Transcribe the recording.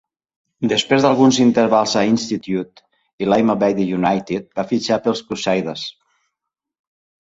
Després d'alguns intervals a Institute i Limavady United, va fitxar pels Crusaders.